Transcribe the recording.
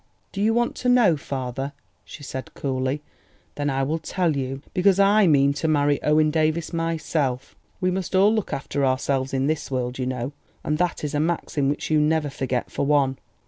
"Do you want to know, father?" she said coolly; "then I will tell you. Because I mean to marry Owen Davies myself. We must all look after ourselves in this world, you know; and that is a maxim which you never forget, for one.